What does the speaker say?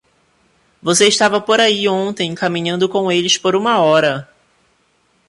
Você estava por aí ontem caminhando com eles por uma hora.